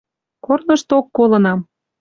Корнышток колынам.